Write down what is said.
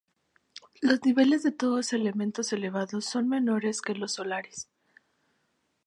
Los niveles de todos los elementos evaluados son menores que los solares.